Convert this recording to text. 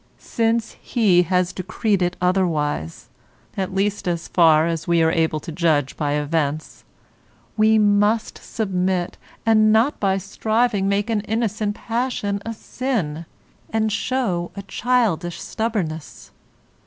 Since He has decreed it otherwise (at least as far as we are able to judge by events), we must submit, and not by striving make an innocent passion a sin, and show a childish stubbornness.